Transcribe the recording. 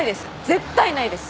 絶対ないです。